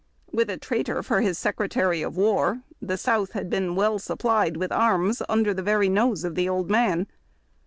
With a traitor for his Secretary of War, the South had been well supplied with arms under the very nose of the old man.